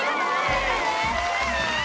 正解です。